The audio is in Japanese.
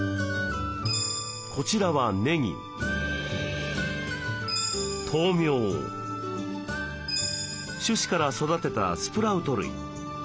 こちらは種子から育てたスプラウト類。